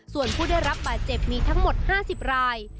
ส่วนผู้ได้รับบาดเจ็บมีทั้งหมด๕๐ราย